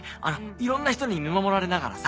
いろんな人に見守られながらさ